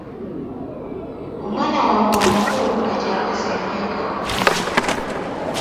Omwana wange omukulu kati aweza emyaka kkumi.